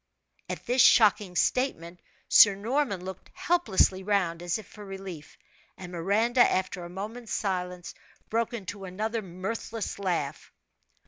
At this shocking statement Sir Norman looked helplessly round, as if for relief; and Miranda, after a moment's silence, broke into another mirthless laugh.